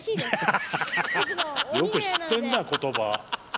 ハハハハよく知ってんな言葉。